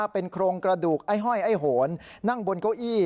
เป็นโครงกระดูกไอ้ห้อยไอ้โหนนั่งบนเก้าอี้